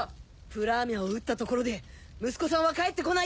プラーミャを撃ったところで息子さんは帰ってこないよ！